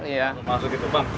masuk gitu bang